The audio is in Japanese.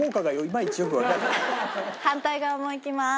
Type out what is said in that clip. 反対側もいきます。